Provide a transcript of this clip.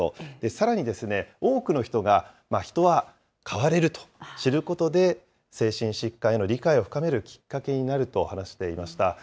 さらに、多くの人が、人は変われると知ることで、精神疾患への理解を深めるきっかけになると話していました。